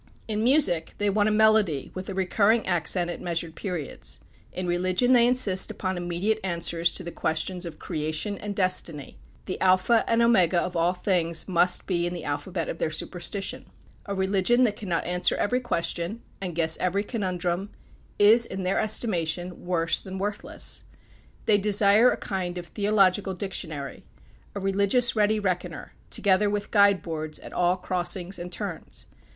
In music they want a melody with a recurring accent at measured periods. In religion they insist upon immediate answers to the questions of creation and destiny. The alpha and omega of all things must be in the alphabet of their superstition. A religion that cannot answer every question, and guess every conundrum is, in their estimation, worse than worthless. They desire a kind of theological dictionary a religious ready reckoner, together with guide boards at all crossings and turns.